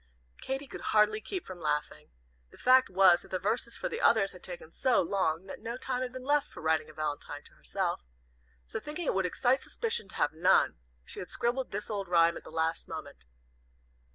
Katy could hardly keep from laughing. The fact was that the verses for the others had taken so long, that no time had been left for writing a valentine to herself. So, thinking it would excite suspicion to have none, she had scribbled this old rhyme at the last moment.